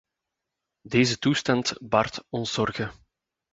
Deze toestand baart ons zorgen.